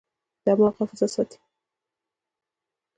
دماغ حافظه ساتي.